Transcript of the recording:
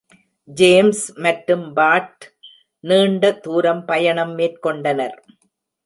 James மற்றும் Pat நீண்ட தூரம் பயணம் மேற்கொண்டனர்.